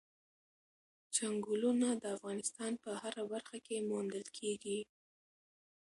چنګلونه د افغانستان په هره برخه کې موندل کېږي.